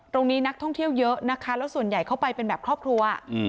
นักท่องเที่ยวเยอะนะคะแล้วส่วนใหญ่เข้าไปเป็นแบบครอบครัว